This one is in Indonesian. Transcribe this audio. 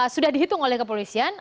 sudah dihitung oleh kepolisian